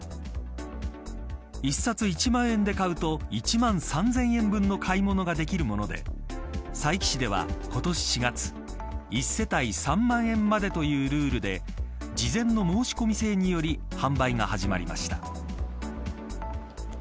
１冊１万円で買うと１万３０００円分の買い物ができるもので佐伯市では、今年４月１世帯３万円までというルールで事前の申し込み制により販売が始まりました。